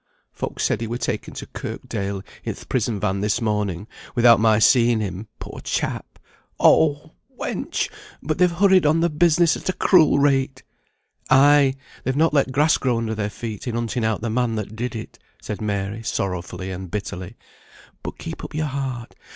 "Folk said he were taken to Kirkdale, i' th' prison van, this morning; without my seeing him, poor chap! Oh! wench! but they've hurried on the business at a cruel rate." "Ay! they've not let grass grow under their feet, in hunting out the man that did it," said Mary, sorrowfully and bitterly. "But keep up your heart.